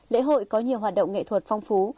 lễ hội có nhiều hoạt động nghệ thuật phong phú